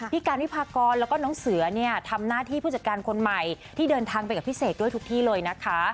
การวิพากรแล้วก็น้องเสือเนี่ยทำหน้าที่ผู้จัดการคนใหม่ที่เดินทางไปกับพี่เสกด้วยทุกที่เลยนะคะ